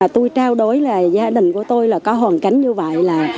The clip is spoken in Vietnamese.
tôi trao đối là gia đình của tôi là có hoàn cảnh như vậy là